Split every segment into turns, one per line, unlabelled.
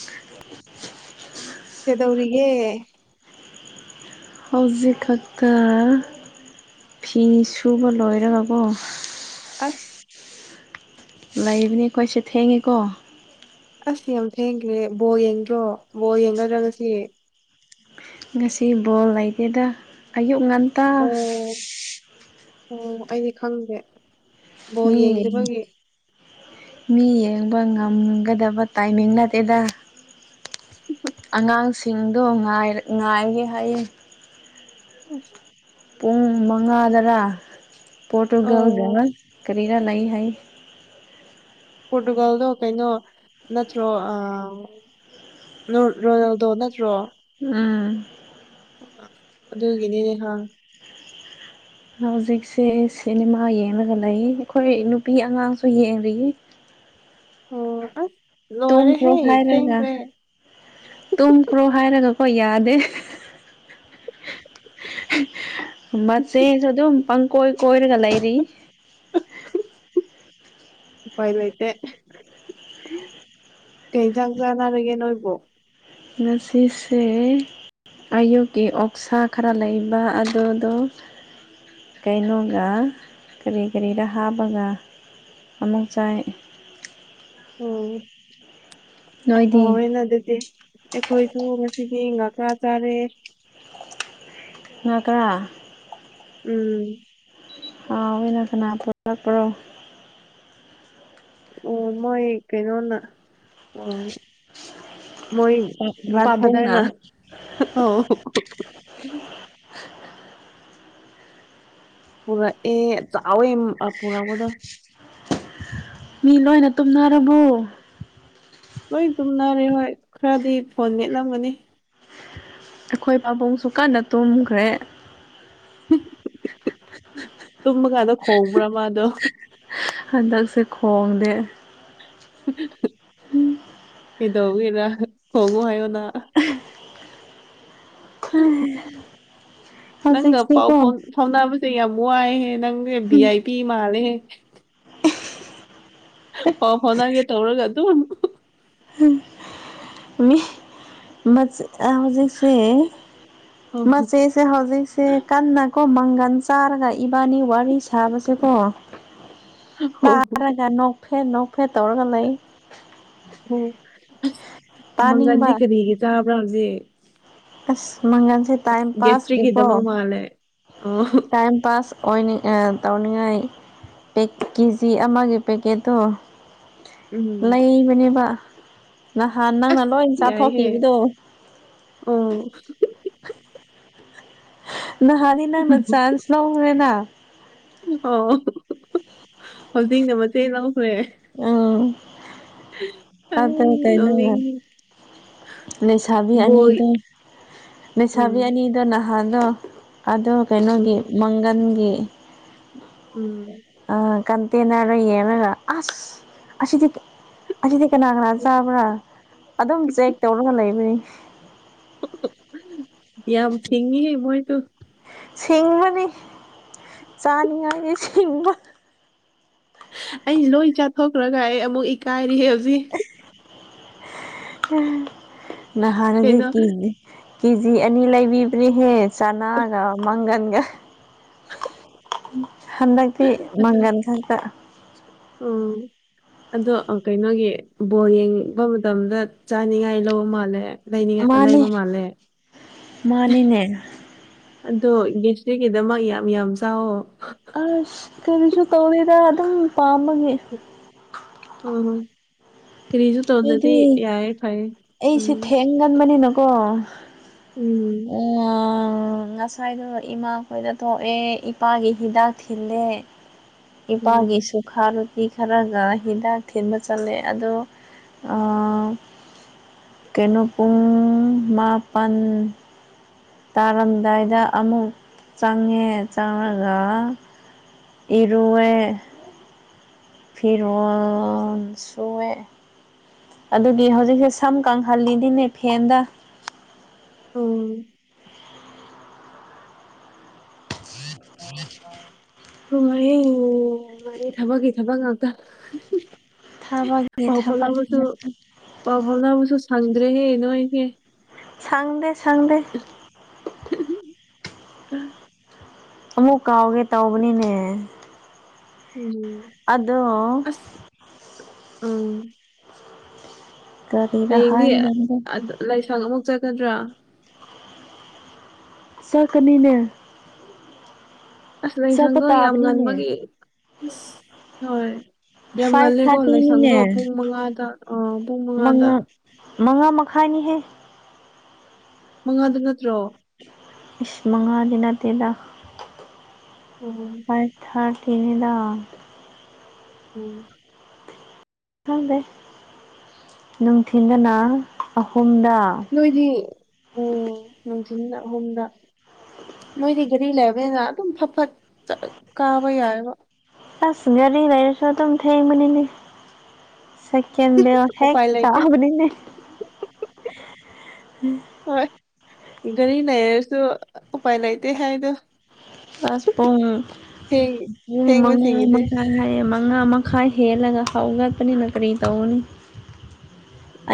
[inaudible]
ꯀꯦꯗꯧꯔꯤꯒꯦ
ꯍꯧꯖꯤꯛ ꯈꯛꯇ ꯐꯤ ꯁꯨꯕ ꯂꯣꯏꯔꯒꯀꯣ
ꯑꯁ
ꯂꯩꯕꯅꯦ ꯑꯈꯣꯏꯁꯨ ꯊꯦꯡꯉꯦꯀꯣ
ꯑꯁ ꯌꯥꯝ ꯊꯦꯡꯈ꯭ꯔꯦ ꯕꯣꯔ ꯌꯦꯡꯗ꯭ꯔꯣ ꯕꯣꯔ ꯌꯦꯡꯒꯗ꯭ꯔ ꯉꯁꯤ
ꯉꯁꯤ ꯕꯣꯜ ꯂꯩꯇꯦꯗ ꯑꯌꯨꯛ ꯉꯟꯇ
ꯑꯣ ꯑꯣ ꯑꯩꯗꯤ ꯈꯪꯗꯦ ꯕꯣꯜ
ꯃꯤ
ꯌꯦꯡꯗꯕꯒꯤ
ꯃꯤ ꯌꯦꯡꯕ ꯉꯝꯒꯗꯕ ꯇꯥꯏꯃꯤꯡ ꯅꯠꯇꯦꯗ ꯑꯉꯥꯡꯁꯤꯡꯗꯣ ꯉꯥꯏ ꯉꯥꯏꯒꯦ ꯍꯥꯏꯌꯦ
[unintelligible]
ꯄꯨꯡ ꯃꯉꯥꯗꯔꯥ ꯄꯣꯔꯇꯨꯒꯜꯒ
ꯑꯣ
ꯀꯔꯤꯔꯥ ꯂꯩ ꯍꯥꯏꯌꯦ
ꯄꯣꯔꯇꯨꯒꯜꯗꯣ ꯀꯩꯅꯣ ꯅꯠꯇ꯭ꯔꯣ ꯑ ꯅꯣꯔ ꯔꯣꯅꯥꯜꯗꯣ ꯅꯠꯇ꯭ꯔꯣ
ꯎꯝ
ꯑꯗꯨꯒꯤꯅꯤꯅꯦ ꯈꯪ
ꯍꯧꯖꯤꯛꯁꯦ ꯁꯤꯅꯦꯃꯥ ꯌꯦꯡꯂꯒ ꯂꯩ ꯑꯩꯈꯣꯏ ꯅꯨꯄꯤ ꯑꯉꯥꯡꯁꯨ ꯌꯦꯡꯔꯤ
ꯍꯣ ꯗ
ꯇꯨꯝꯈ꯭ꯔꯣ ꯍꯥꯏꯔꯒ ꯇꯨꯝꯈ꯭ꯔꯣ ꯍꯥꯏꯔꯒ ꯍꯣꯏ ꯌꯥꯗꯦ [unintelligible] [unintelligible] ꯃꯁꯦꯗꯣ ꯑꯗꯨꯝ ꯄꯪꯀꯣꯏ ꯀꯣꯏꯔꯒ ꯂꯩꯔꯤ
ꯎꯄꯥꯏ ꯂꯩꯥꯇꯦ ꯀꯩ ꯖꯥꯡ ꯆꯥꯅꯔꯒꯦ ꯅꯣꯏꯕꯨ
ꯉꯁꯤꯁꯦ ꯑꯌꯨꯀꯤ ꯑꯣꯛꯁꯥ ꯈꯔ ꯂꯩꯕ ꯑꯗꯨꯗꯨ ꯀꯩꯅꯣꯒ ꯀꯔꯤ ꯀꯔꯤꯗ ꯍꯥꯞꯄꯒ ꯑꯃꯨꯛ ꯆꯥꯏ ꯅꯣꯏꯗꯤ
ꯍꯥꯎꯑꯦꯅ ꯑꯗꯨꯗꯤ ꯑꯩꯈꯣꯏꯁꯨ ꯉꯁꯤ ꯃꯤ ꯉ ꯈꯥ ꯆꯔꯦ
ꯉꯒ꯭ꯔꯥ
ꯎꯝ
ꯍꯥꯎ ꯑꯣꯏꯅ ꯀꯅꯥ ꯊꯣꯛꯂꯛꯄ꯭ꯔꯣ
ꯎꯝ ꯃꯣꯏ ꯀꯩꯅꯣꯅ
ꯄꯥꯕꯨꯡꯅ
[unintelligible] ꯄꯨꯔ ꯑꯦ ꯆꯥꯑꯣ ꯄꯨꯔꯛꯄꯗꯣ
ꯃꯤ ꯂꯣꯏꯅ ꯇꯨꯝꯅꯔꯕꯣ
ꯂꯣꯏ ꯇꯨꯝꯅꯔꯦ ꯍꯣꯏ ꯈꯔꯗꯤ ꯐꯣꯟ ꯃꯦꯠꯂꯝꯒꯅꯤ
ꯑꯩꯈꯣꯏ ꯄꯥꯕꯨꯡꯁꯨ ꯀꯟꯅ ꯇꯨꯝꯈ꯭ꯔꯦ
ꯇꯨꯝꯕꯀꯥꯟꯗ ꯈꯣꯡꯕ꯭ꯔꯥ ꯃꯥꯗꯣ
ꯍꯟꯗꯛꯁꯦ ꯈꯣꯡꯗꯦ
[unintelligible] ꯀꯩꯗꯧꯕꯩꯔ ꯈꯣꯡꯉꯣ ꯍꯥꯏꯑꯣꯅ ꯅꯪꯒ ꯄꯥꯎ
ꯍꯧꯖꯤꯛꯁꯦꯀꯣ
ꯐꯥꯎ ꯐꯥꯎꯅꯕꯁꯦ ꯌꯥꯝ ꯋꯥꯏꯍꯦ ꯅꯪ ꯕꯤ ꯑꯥꯏ ꯄꯤ ꯃꯥꯂꯦ ꯄꯥꯎ ꯐꯧꯅꯒꯦ ꯇꯧꯔꯒ ꯑꯗꯨꯝ
ꯃꯤ ꯃꯠ ꯑꯥ ꯍꯧꯖ ꯁꯦ
ꯑꯁ
ꯃꯆꯦꯁꯦ ꯍꯧꯖꯤꯛꯁꯦ ꯀꯟꯅ ꯀꯣ ꯃꯪꯒꯟ ꯆꯥꯔꯒ ꯏꯕꯥꯅꯤ ꯋꯥꯔꯤ ꯁꯥꯕꯁꯦꯀꯣ ꯇꯥꯔꯒ ꯅꯣꯛ ꯐꯦꯠꯅꯣ ꯐꯦꯠ ꯇꯧꯔꯒ ꯂꯩ
ꯑꯣ ꯃꯪꯒꯟꯗꯤ
ꯇꯥꯅꯤꯡꯕ
ꯀꯔꯤꯒꯤ ꯆꯥꯕ꯭ꯔꯥꯗꯦ
ꯑꯁ ꯃꯪꯒꯜꯁꯦ ꯇꯥꯏꯝ ꯄꯥꯁꯀꯤꯀꯣ
ꯒꯦꯁꯇ꯭ꯔꯤꯒꯤꯗꯃꯛ ꯃꯥꯜꯂꯦ ꯑꯣ
ꯇꯥꯏꯝ ꯄꯥꯁ ꯑꯣꯏꯅꯤꯡ ꯇꯧꯅꯤꯡꯉꯥꯏ ꯀꯦꯖꯤ ꯑꯃꯒꯤ ꯄꯦꯛꯀꯦꯠꯇꯣ
ꯎꯝ
ꯂꯩꯕꯅꯦꯕ ꯅꯍꯥꯟ ꯅꯪꯅ
ꯑꯁ
ꯂꯣꯏ
ꯌꯥꯏꯍꯦ
ꯆꯥꯊꯣꯛꯈꯤꯕꯗꯣ
ꯑꯣ
ꯅꯥꯍꯟꯗꯤ ꯅꯪꯅ ꯆꯥꯟꯁ ꯂꯧꯑꯦꯅ
ꯑꯣ ꯍꯧꯖꯤꯛꯅ ꯃꯆꯦꯡ ꯍꯣꯏ
ꯎꯝ ꯑꯗ ꯀꯩꯅꯣ
[unintelligible]
ꯂꯩꯁꯥꯕꯤ ꯑꯅꯤꯗ ꯂꯩꯁꯥꯕꯤ
ꯎꯝ
ꯑꯅꯤꯗꯨꯅ ꯑꯗꯣ ꯑꯗꯣ
ꯎꯝ
ꯀꯩꯅꯣꯒꯤ ꯃꯪꯒꯟꯒꯤ
ꯎꯝ
ꯑꯥ ꯀꯟꯇꯦꯅꯔꯦ ꯃꯒ ꯑꯁ ꯑꯁꯤ ꯑꯁꯤ ꯀꯅꯥ ꯀꯅꯥ ꯆꯥꯕ꯭ꯔꯥ ꯑꯗꯨꯝ ꯆꯦꯛ ꯇꯧꯔꯒ ꯂꯩꯕꯅꯤ
ꯌꯝ ꯊꯤꯡꯉꯤ ꯍꯦ ꯃꯣꯏ ꯗꯣ
ꯁꯤꯡꯕꯅꯤ ꯆꯥꯅꯤꯡꯉꯥꯏꯒꯤ ꯁꯤꯡꯕ
ꯑꯩ ꯂꯣꯏ ꯆꯥꯊꯣꯛꯈ꯭ꯔꯒ ꯑꯩ ꯑꯃꯨꯛ ꯏꯀꯥꯏꯔꯦ ꯍꯧꯖꯤꯛ
ꯅꯍꯅꯒꯤ
ꯀꯩꯅꯣ
ꯀꯅꯦ ꯀꯦꯖꯤ ꯑꯅꯤ ꯂꯩꯕꯤꯕꯅꯤ ꯍꯦ ꯆꯅꯥꯒ ꯃꯪꯒꯟꯒ ꯍꯟꯗꯛꯇꯤ
ꯑꯗꯨ
ꯃꯪꯒꯟ ꯈꯛꯇ
ꯎꯝ ꯑꯗꯣ ꯀꯩꯅꯣꯒꯤ ꯕꯣꯜ ꯌꯦꯡꯕ ꯃꯇꯝꯗ ꯆꯥꯅꯤꯉꯥꯏ ꯂꯧꯕ ꯃꯥꯜꯂꯦ ꯂꯩꯅꯤꯡꯉ
ꯃꯥꯅꯤ
ꯂꯩꯕ ꯃꯥꯜꯂꯦ
ꯃꯥꯅꯤꯅꯦ
ꯑꯗꯣ ꯒꯦꯁꯇ꯭ꯔꯤꯛꯀꯤꯗꯃꯛ ꯌꯥꯝ ꯌꯥꯝ ꯆꯥꯎꯋ
ꯑꯁ ꯀꯔꯤꯁꯨ ꯇꯧꯗꯦꯗ ꯑꯗꯨꯝ ꯄꯥꯝꯕꯒꯦ
ꯎꯝ ꯀꯔꯤꯁꯨ ꯇꯧꯗ꯭ꯔꯗꯤ
ꯑꯩꯗꯤ
ꯌꯥꯏꯌꯦ ꯐꯩꯌꯦ
ꯑꯩꯁꯦ
ꯎꯝ
ꯊꯦꯡꯒꯟꯕꯅꯤꯅꯀꯣ
ꯎꯝ
ꯎꯝ ꯉꯁꯥꯏꯗꯣ ꯏꯃꯥꯈꯣꯏꯗ ꯊꯣꯛꯑꯦ ꯏꯄꯥꯒꯤ ꯍꯤꯗꯥꯛ ꯊꯤꯜꯂꯦ
ꯎꯝ
ꯏꯄꯥꯒꯤ ꯁꯨꯈꯥ ꯔꯨꯇꯤ ꯈꯔꯒ ꯍꯤꯗꯥꯛ ꯊꯤꯟꯕ ꯆꯠꯂꯦ ꯑꯗꯣ ꯑꯥ ꯀꯩꯅꯣ ꯄꯨꯡ ꯃꯥꯄꯟ ꯇꯥꯔꯝꯗꯥꯏꯗ ꯑꯃꯨꯛ ꯆꯪꯉꯦ ꯆꯪꯉꯒ ꯏꯔꯨꯑꯦ ꯐꯤꯔꯣꯜ ꯁꯨꯋꯦ ꯑꯗꯨꯒꯤ ꯍꯧꯖꯤꯛꯁꯦ ꯁꯝ ꯀꯪꯍꯜꯂꯤꯅꯤꯅꯦ ꯐꯦꯟꯗ
ꯑꯝ
[inaudible]
[unintelligible] ꯊꯕꯛꯀꯤ ꯊꯕꯛ ꯉꯥꯛꯇ
ꯊꯕꯛꯀꯤ
ꯄꯥꯎ
ꯊꯕꯛ
ꯐꯥꯎꯅꯕꯨꯁꯨ ꯄꯥꯎ ꯐꯥꯎꯅꯕꯨꯁꯨ ꯁꯪꯗ꯭ꯔꯦꯍꯦ ꯅꯣꯏꯁꯦ
ꯁꯪꯗꯦ ꯁꯪꯗꯦ
[inaudible]
ꯑꯃꯨꯛ ꯀꯥꯎꯒꯦ ꯇꯧꯕꯅꯤꯅꯦ
ꯎꯝ
ꯑꯗꯣ
ꯑꯁ ꯎꯝ
ꯀꯔꯤꯔ
ꯍꯌꯦꯡꯗꯤ
ꯍꯥꯏꯒꯗꯕꯗꯣ
ꯂꯥꯏꯁꯪ ꯑꯃꯨꯛ ꯆꯠꯀꯗ꯭ꯌꯥ
ꯆꯠꯀꯅꯤꯅꯦ
ꯑꯁ
ꯆꯠꯄ
ꯂꯩꯁꯪꯗꯣ ꯌꯥꯝ
ꯇꯥꯕꯅꯤꯅꯦ
ꯉꯟꯕꯒꯤ ꯑꯥ ꯍꯣꯏ ꯌꯥꯝ
ꯐꯥꯏꯚ
ꯉꯜꯂꯦꯀꯣ ꯂꯥꯏꯁꯪꯗꯣ
ꯊꯥꯔꯇꯤꯅꯤꯅꯦ
ꯄꯨꯡ ꯃꯉꯥꯗ ꯑꯥ ꯄꯨꯡ ꯃꯉꯥꯗ
ꯃꯉꯥ ꯃꯉꯥ ꯃꯈꯥꯏꯅꯤꯍꯦ
ꯃꯉꯥꯗ ꯅꯠꯇ꯭ꯔꯣ
ꯏꯁ ꯃꯉꯥꯗꯤ ꯅꯠꯇꯦꯗ
ꯎꯝ
ꯊꯥꯏ ꯊꯥꯏ ꯊꯦꯡꯉꯦꯗ
ꯎꯝ
ꯈꯪꯗꯦ ꯅꯨꯡꯊꯤꯟꯗꯅ ꯑꯍꯨꯝꯗ
ꯅꯣꯏꯗꯤ ꯎꯝ ꯅꯨꯡꯊꯤ ꯑꯍꯨꯝꯗ ꯃꯣꯏꯗꯤ ꯒꯥꯔꯤ ꯂꯩꯔꯕꯅꯤꯅ ꯑꯗꯨꯝ ꯐꯠ ꯐꯠ ꯀꯥꯕ ꯌꯥꯏꯕ
ꯑꯁ ꯒꯔꯤ ꯌꯩꯔꯁꯨ ꯑꯗꯨꯝꯊꯦꯡꯕꯅꯤꯅꯦ ꯁꯦꯀꯦꯟ ꯕꯦꯜ ꯍꯦꯛ
ꯎꯄꯥꯏ ꯂꯩꯇꯦ
ꯇꯥꯕꯅꯤꯅꯦ
ꯍꯣꯏ ꯒꯥꯔꯤ ꯂꯩꯔꯁꯨ ꯎꯄꯥꯏ ꯂꯩꯥꯏꯇꯦ ꯍꯥꯏꯗ
ꯑꯁ ꯄꯨꯡ ꯄꯨꯡ ꯃꯉꯥ
ꯊꯦꯡꯕꯁꯤꯡꯒꯤꯗꯤ
ꯃꯈꯥꯏ ꯍꯥꯏꯌꯦ ꯃꯥ ꯃꯉꯥ ꯃꯈꯥꯏ ꯍꯦꯜꯂꯒ ꯍꯧꯒꯠꯄꯅꯤꯅ ꯀꯔꯤ ꯇꯧꯅꯤ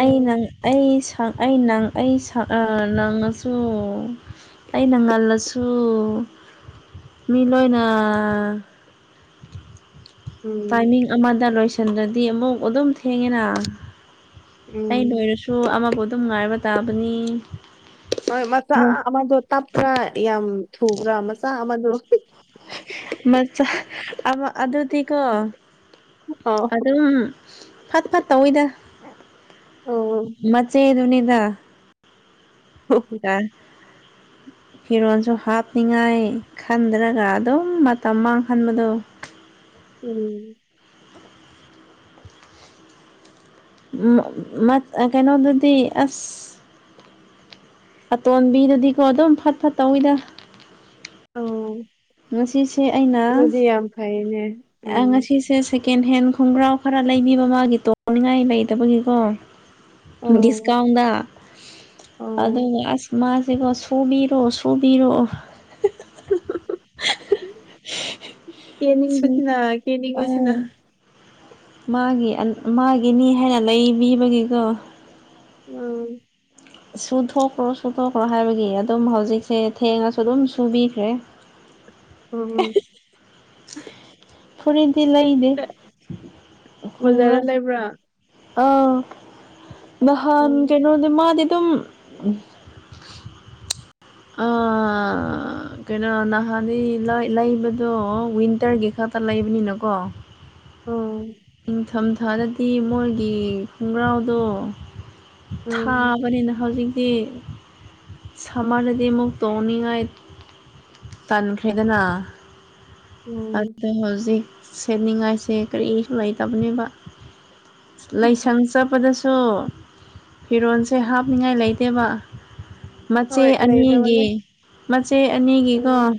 ꯑꯩ ꯅꯪ ꯑꯩ ꯁꯛ ꯑꯩ ꯅꯪ ꯑꯩ ꯁꯛ ꯑꯥ ꯅꯪꯅꯁꯨ ꯑꯩꯅ ꯉꯜꯂꯁꯨ ꯃꯤ ꯂꯣꯏꯅ
ꯎꯝ
ꯇꯥꯏꯃꯤꯡ ꯑꯃꯗ ꯂꯣꯏꯁꯤꯟꯗ꯭ꯔꯗꯤ ꯑꯃꯨꯛ ꯑꯗꯨꯝ ꯊꯦꯡꯉꯦꯅ
ꯎꯝ
ꯑꯩ ꯂꯣꯏꯔꯁꯨ ꯑꯃꯕꯨ ꯑꯗꯨꯝ ꯉꯥꯏꯕ ꯇꯥꯕꯅꯤ
ꯍꯣꯏ ꯃꯆꯥ
ꯃꯨꯛ
ꯑꯃꯗꯣ ꯇꯞꯄ꯭ꯔꯥ ꯌꯥꯝ ꯊꯨꯕ꯭ꯔꯥ ꯃꯆꯥ ꯑꯃꯗꯣ
ꯃꯆꯥ ꯑꯗꯨꯗꯤꯀꯣ
ꯑꯥꯎ
ꯑꯗꯨꯝ ꯐꯠ ꯐꯠ ꯇꯧꯋꯤꯗ
ꯑꯣ
ꯃꯆꯦꯗꯨꯅꯤꯗ ꯌꯥ ꯐꯤꯔꯣꯜꯁꯨ ꯍꯥꯞꯅꯤꯡꯉꯥꯏ ꯈꯟꯗ꯭ꯔꯒ ꯑꯗꯨꯝ ꯃꯇꯝ ꯃꯥꯡꯍꯟꯕꯗꯣ
ꯎꯝ
ꯀꯩꯅꯣꯗꯨꯗꯤ ꯑꯁ ꯑꯇꯣꯟꯝꯕꯤꯗꯨꯗꯤꯀꯣ ꯑꯗꯨꯝ ꯐꯠ ꯐꯠꯇꯧꯋꯤꯗ
ꯑꯣ
ꯉꯁꯤꯁꯦ ꯑꯩꯅ
ꯑꯗꯨꯗꯤ ꯌꯥꯝ ꯐꯩꯅꯦ ꯎꯝ
ꯉꯁꯤꯁꯦ ꯁꯦ ꯁꯦꯀꯦꯟ ꯍꯦꯟ ꯈꯣꯡꯒ꯭ꯔꯥꯎ ꯈꯔ ꯂꯩꯕꯤꯕ ꯃꯥꯒꯤ ꯇꯣꯡꯅꯤꯡꯉꯥꯏ ꯂꯩꯇꯕꯒꯤꯀꯣ
ꯑꯣ
ꯗꯤꯁꯀꯥꯎꯟꯗ
ꯑꯣ
ꯑꯗꯨꯒ ꯑꯁ ꯃꯥ ꯑꯗꯨꯒꯣ ꯁꯨꯕꯤꯔꯣ ꯁꯨꯕꯤꯔꯣ
ꯀꯦꯅꯤꯡꯕꯁꯤꯅ ꯀꯦꯅꯤꯡꯕꯁꯤꯅ
ꯑꯪ ꯃꯥꯒꯤ ꯃꯥꯒꯤꯅꯤ ꯍꯥꯏꯅ ꯂꯩꯕꯤꯕꯒꯤꯀꯣ
ꯎꯝ
ꯁꯨꯊꯣꯛꯈ꯭ꯔꯣ ꯁꯨꯊꯣꯛꯈ꯭ꯔꯣ ꯍꯥꯏꯕꯒꯤ ꯑꯗꯨꯝ ꯍꯧꯖꯤꯛꯁꯦ ꯊꯦꯡꯉꯁꯨ ꯑꯗꯨꯝ ꯁꯨꯕꯤꯈ꯭ꯔꯦ
ꯎꯝ
ꯐꯨꯔꯤꯠꯗꯤ ꯂꯩꯗꯦ
ꯕꯥꯖꯔꯗ
ꯈꯣꯡꯒ꯭ꯔꯥꯎ
ꯂꯩꯕ꯭ꯔꯥ
ꯑꯥ ꯅꯍꯥꯟ
ꯎꯝ
ꯀꯩꯅꯅꯣꯗꯤ ꯃꯗꯤ ꯇꯨꯝ ꯑꯥ ꯀꯩꯅꯣ ꯅꯍꯥꯟꯗꯤ ꯂꯩꯕꯗꯣ ꯋꯤꯟꯇꯔꯒꯤ ꯈꯛꯇ ꯂꯩꯕꯅꯤꯅꯀꯣ
ꯎꯝ
ꯅꯤꯡꯪꯊꯝꯊꯥꯗꯗꯤ ꯃꯣꯏꯒꯤ ꯈꯣꯡꯒ꯭ꯔꯥꯎꯗꯣ
ꯎꯝ
ꯊꯥꯕꯅꯤꯅ ꯍꯧꯖꯤꯛ ꯗꯤ ꯁꯃꯔꯗꯗꯤ ꯃꯨꯛ ꯇꯧꯅꯤꯉꯥꯏ ꯇꯥꯟꯈꯦꯗꯅ
ꯎꯝ
ꯑꯗꯨꯗ ꯍꯧꯖꯤꯛ ꯁꯦꯠꯅꯤꯡꯉꯥꯏꯁꯦ ꯀꯔꯤꯁꯨ ꯂꯩꯇꯕꯅꯦꯕ ꯂꯥꯏꯁꯪ ꯆꯠꯄꯗꯁꯨ ꯐꯤꯔꯣꯜꯁꯦ ꯍꯥꯞꯅꯤꯡꯉꯥꯏ ꯂꯩꯇꯦꯕ ꯃꯆꯦ
ꯍꯣꯏ
ꯑꯅꯤꯒꯤ
ꯂꯩꯔꯕꯅꯦ
ꯏꯆꯦ ꯑꯅꯤꯒꯤꯀꯣ
ꯎꯝ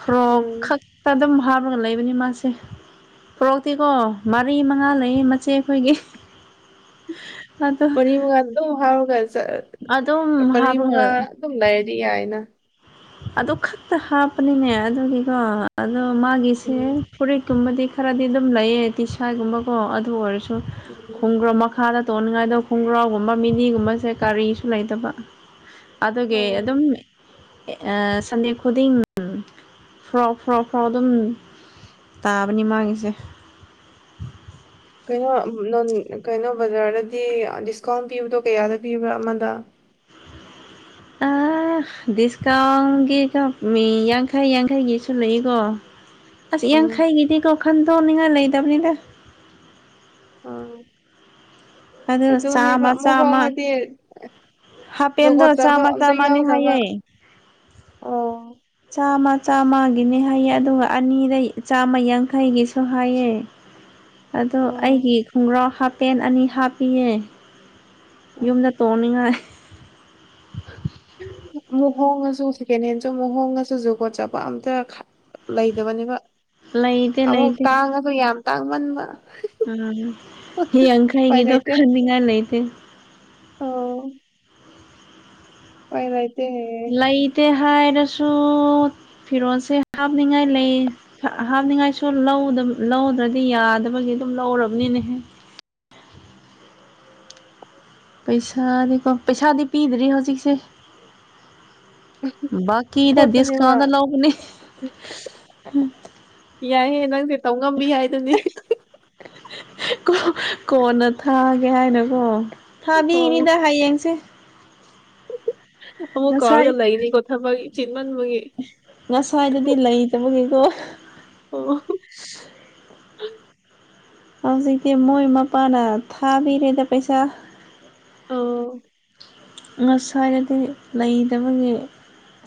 ꯐꯣꯔꯣꯛ
ꯎꯝ
ꯈꯛꯇ ꯑꯗꯨꯝ ꯍꯥꯞꯄꯒ ꯂꯩꯕꯅꯤ ꯃꯥꯁꯦ ꯄꯣꯔꯣꯛꯇꯤꯀꯣ ꯃꯔꯤ ꯃꯉꯥ ꯂꯩ ꯃꯆꯦ ꯑꯩꯈꯣꯏꯒꯤ ꯑꯗꯣ
[unintelligible]
ꯑꯗꯨꯝ
ꯃꯔꯤ
ꯍꯥꯞꯄꯒ
ꯃꯉꯥ ꯑꯗꯨꯝ ꯂꯩꯔꯗꯤ ꯌꯥꯏꯅ
ꯑꯗꯨ ꯈꯛꯇ ꯍꯥꯞꯄꯅꯤꯅꯦ ꯑꯗꯨꯒꯤꯀꯣ ꯑꯗꯣ ꯃꯥꯒꯤꯁꯦ
ꯎꯝ
ꯐꯨꯔꯤ ꯀꯨꯝꯕꯗꯤ ꯈꯔꯗꯤ ꯑꯗꯨꯝ ꯂꯩꯌꯦ ꯇꯤꯁꯥꯏꯒꯨꯝꯕꯀꯣ ꯑꯗꯨ ꯑꯣꯏꯔꯁꯨ
ꯎꯝ
ꯈꯣꯡꯒ꯭ꯔ ꯃꯈ ꯈꯥꯗ ꯇꯣꯡꯅꯤꯡꯉꯥꯏꯗꯕ ꯈꯣꯡꯒ꯭ꯔꯥꯎꯒꯨꯝꯕ ꯃꯤꯅꯤꯒꯨꯝꯕꯁꯦ ꯀꯔꯤꯁꯨ ꯂꯩꯇꯕ ꯑꯗꯨꯒꯤ ꯑꯗꯨꯝ
ꯑꯣ
ꯑꯥ ꯁꯟꯗꯦ ꯈꯨꯗꯤꯡ ꯐꯣꯔꯣꯛ ꯐꯣꯔꯣꯛ ꯐꯣꯔꯣꯛ ꯑꯗꯨꯝ ꯇꯥꯕꯅꯤ ꯃꯥꯒꯤꯁꯦ
[inaudible] ꯀꯩꯅꯣ ꯅ ꯀꯩꯅꯣ ꯕꯖꯥꯔꯗꯗꯤ ꯗꯤꯁꯀꯥꯎꯟ ꯄꯤꯕꯗꯣ ꯀꯌꯥꯗ ꯄꯤꯕ꯭ꯔꯥ ꯑꯃꯗ [inaudible]
ꯗꯤꯁꯀꯥꯎꯟꯒꯤ ꯀ ꯃꯤ ꯌꯥꯡꯈꯩ ꯌꯥꯡꯈꯩꯒꯤꯁꯨ ꯂꯩꯀꯣ ꯑꯁ
ꯑꯥ
ꯌꯥꯡꯈꯩꯒꯤꯗꯤꯀꯣ ꯈꯟꯗꯣꯛꯅꯤꯡꯉꯥꯏ ꯂꯩꯇꯕꯅꯤꯗ
ꯑꯥ
ꯑꯗꯨ
ꯑꯗꯨꯅꯦꯕ
ꯆꯥꯝꯃ
ꯃꯨꯛ
ꯆꯥꯝꯃ
ꯍꯣꯡꯑꯗꯤ
ꯍꯥꯄꯦꯟꯗꯣ
ꯖꯒꯣꯠꯆꯕ
ꯆꯥꯝꯃ
ꯑꯝꯇ
ꯆꯥꯝꯃꯅꯦ
ꯌꯥꯎꯗꯕ
ꯍꯥꯏꯌꯦ
ꯑꯣ
ꯆꯥꯝꯃ ꯆꯥꯝꯃꯒꯤꯅꯦ ꯍꯥꯏꯌꯦ ꯑꯗꯨꯒ ꯑꯅꯤꯗꯩ ꯆꯥꯝꯃ ꯌꯥꯡꯈꯩꯒꯤꯁꯨ ꯍꯥꯏꯌꯦ ꯑꯗꯣ
ꯑꯣ
ꯑꯩꯒꯤ ꯈꯣꯡꯒ꯭ꯔꯥꯎ ꯍꯥꯄꯦꯟ ꯑꯅꯤ ꯍꯥꯞꯄꯤꯌꯦ ꯌꯨꯝꯗ ꯇꯣꯡꯅꯤꯡꯉꯥꯏ
ꯃꯨꯍꯣꯡꯉꯁꯨ ꯁꯦꯀꯦꯟ ꯍꯦꯟꯁꯨ ꯃꯨꯍꯣꯡꯉꯁꯨ ꯖꯨꯀꯣꯠ ꯆꯄ ꯑꯝꯇ ꯂꯩꯗꯕꯅꯦꯕ
ꯂꯩꯇꯦ
ꯑꯃꯨꯛ ꯇꯥꯡꯉꯁꯨ ꯌꯥꯝ ꯇꯥꯡꯃꯟꯕ
ꯑ ꯍ
ꯎꯄꯥꯏ
ꯌꯥꯡꯈꯩꯒꯤꯗꯣ
ꯂꯩꯇꯦ
ꯍꯟꯅꯤꯉꯥꯏ ꯂꯩꯇꯦ
ꯑꯣ ꯍꯣꯏ ꯍꯣꯏ
ꯂꯩꯏꯇꯦ ꯍꯥꯏ ꯔꯁꯨ
[inaudible]
ꯐꯤꯔꯣꯜꯁꯦ ꯍꯥꯞꯅꯤꯡꯉꯥꯏ ꯂꯩ ꯍꯥꯞꯅꯤꯡꯉꯥꯏꯁꯨ ꯂꯧꯗ ꯂꯧꯗ꯭ꯔꯗꯤ ꯌꯥꯗꯕ ꯑꯗꯨꯒꯤ ꯑꯗꯨꯝ ꯂꯥꯎꯔꯕꯅꯤꯅꯦꯍꯦ
[inaudible]
ꯄꯩꯁꯥꯗꯤꯀꯣ ꯄꯩꯁꯥꯗꯤ ꯄꯤꯗ꯭ꯔꯤ ꯍꯧꯖꯤꯛꯁꯦ ꯕꯀꯤꯗ
ꯁꯣꯠꯄꯅꯦꯕ
ꯗꯤꯁꯀꯎꯟꯗ ꯂꯥꯎꯕꯅꯦ
ꯌꯥꯏꯍꯦ ꯅꯪꯁꯦ ꯇꯧ ꯉꯝꯕꯤ ꯍꯥꯏꯗꯨꯅꯤ
ꯀꯣꯟꯅ ꯊꯥꯒꯦ ꯍꯥꯏꯅꯀꯣ
ꯑꯣ
ꯊꯥꯕꯤꯅꯤꯗ ꯍꯌꯦꯡꯁꯦ
ꯑꯃꯨꯛ ꯀꯥꯎꯔꯒ ꯂꯩꯅꯤ ꯀꯣ ꯊꯕꯛ ꯆꯤꯟꯃꯟꯕꯒꯤ
ꯑꯦ ꯉꯁꯥꯏꯗꯗꯤ ꯂꯩꯇꯕꯒꯤꯀꯣ
ꯑꯣ
ꯍꯧꯖꯤꯛꯇꯤ ꯃꯣꯏ ꯃꯄꯥꯅ ꯊꯥꯕꯤꯔꯦꯗ ꯄꯩꯁꯥ
ꯑꯣ
ꯉꯁꯋꯥꯔꯗꯤ ꯂꯩꯇꯕꯒꯤ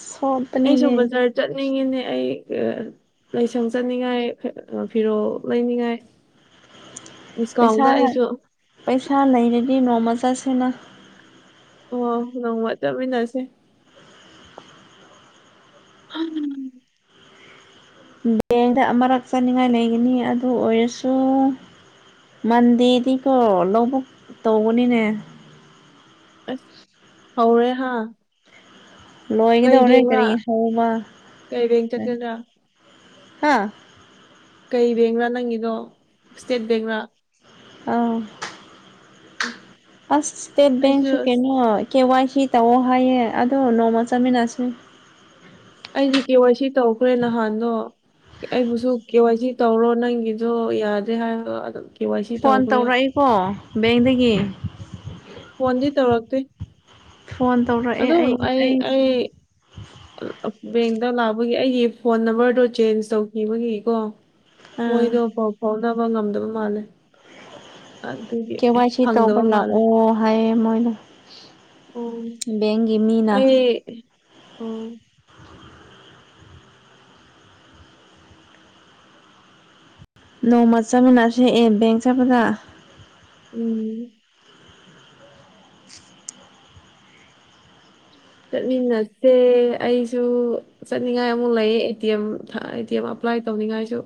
ꯁꯣꯄꯅꯤꯅꯦ
ꯉꯤꯅꯦ ꯑꯩ ꯂꯥꯏꯁꯪ ꯆꯠꯅꯤꯡꯉꯥꯏ ꯐꯤꯔꯣꯜ ꯂꯩꯅꯤꯡꯉꯥꯏ [inaudible]
ꯄꯩꯁꯥ
ꯑꯩꯁꯨ
ꯄꯩꯁꯥ ꯂꯩꯔꯗꯤ ꯅꯣꯡꯃ ꯆꯠꯁꯤꯅꯥ
ꯑꯣ ꯅꯣꯡꯃ ꯆꯠꯃꯤꯟꯅꯁꯦ ꯍꯝ
ꯕꯦꯡꯗ ꯑꯃꯔꯛ ꯆꯥꯅꯤꯡꯉꯥꯏ ꯂꯩꯒꯅꯤ ꯑꯗꯨ ꯑꯣꯏꯔꯁꯨ ꯃꯟꯗꯤꯔꯗꯤꯀꯣ ꯂꯧꯕꯨꯛ ꯇꯧꯕꯅꯤꯅꯦ
ꯑꯁ ꯍꯧ ꯔꯦ ꯍꯥꯥ
ꯂꯣꯏꯒꯗꯧꯔꯦ ꯀꯔꯤ ꯁꯨꯕ
ꯀꯩ ꯕꯦꯡ ꯆꯠꯀꯗ꯭ꯔꯥ
ꯍꯥꯥ
ꯀꯩ ꯕꯦꯡꯔꯥ ꯅꯪꯒꯤꯗꯣ ꯏꯁꯇꯦꯠ ꯕꯦꯡꯔ
ꯑꯧ ꯑꯁ ꯏꯁꯇꯦꯠ
ꯑꯩꯁꯨ
ꯕꯦꯡꯁꯨ ꯀꯦ
ꯑꯁ
ꯅꯣꯏ ꯀꯦ ꯋꯥꯏ ꯁꯤ ꯇꯧꯑꯣ ꯍꯥꯏꯌꯦ ꯑꯗꯣ ꯅꯣꯡꯃ ꯆꯥꯃꯤꯟꯅꯁꯤ
ꯑꯩꯗꯤ ꯀꯦ ꯋꯥꯏ ꯁꯤ ꯇꯧꯈ꯭ꯔꯦ ꯅꯍꯥꯟꯗꯣ ꯑꯩꯕꯨꯁꯨ ꯀꯦ ꯋꯥꯏ ꯁꯤ ꯇꯧꯔꯣ ꯅꯪꯒꯤꯗꯣ ꯌꯥꯗꯦ ꯍꯥꯏꯕꯗꯣ ꯑꯗꯨꯝ ꯀꯦ ꯋꯥꯏ ꯁꯤ
ꯐꯣꯟ
ꯇꯧꯈ꯭ꯔꯦ
ꯇꯧꯔꯛꯏꯀꯣ ꯕꯦꯡꯗꯒꯤ
ꯐꯣꯟꯗꯤ ꯇꯧꯔꯛꯇꯦ ꯑꯗꯨꯝ ꯑꯩ ꯑꯩ ꯕꯦꯡꯗ ꯂꯥꯛꯄꯒꯤ ꯑꯩꯒꯤ ꯐꯣꯟ ꯅꯝꯕꯔꯗꯣ ꯆꯦꯟꯖ ꯇꯧꯈꯤꯕꯒꯤꯀꯣ
ꯑꯥ
ꯃꯣꯏꯗꯣ ꯄꯥꯎ ꯐꯥꯎꯅꯕ ꯉꯝꯗꯕ ꯃꯥꯜꯂꯦ ꯑꯗꯨꯒꯤ
ꯀꯦ ꯋꯥꯏ ꯁꯤ ꯇꯧꯕ
ꯐꯪꯗꯕ ꯃꯥꯜꯂꯦ
ꯂꯥꯛꯑꯣ ꯍꯥꯏꯌꯦ ꯃꯣꯏꯅ
ꯑꯣ
ꯕꯦꯡꯒꯤ ꯃꯤꯅ
ꯑꯩ ꯑ
ꯅꯣꯡꯃ ꯆꯠꯃꯤꯟꯅꯁꯦ ꯑꯦ ꯕꯦꯡ ꯆꯠꯄꯗ
ꯎꯝ ꯆꯠꯃꯤꯟꯅꯁꯦ ꯑꯩꯁꯨ ꯆꯠꯅꯤꯡꯉꯥꯏ ꯑꯃꯨꯛ ꯂꯩꯌꯦ ꯑꯦ ꯇꯤ ꯑꯦꯝ ꯊꯥ ꯑꯦ ꯇꯤ ꯑꯦꯝ ꯑꯝ ꯑꯦꯄ꯭ꯂꯥꯏ ꯇꯧꯅꯤꯡꯉꯥꯏꯁꯨ